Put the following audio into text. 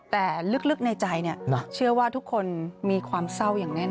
แต่ลึกในใจเชื่อว่าทุกคนมีความเศร้าอย่างแน่นอ